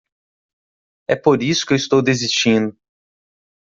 É por isso que estou desistindo.